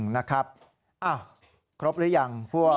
นะครับครบหรือยังพวกวัตถุพยาน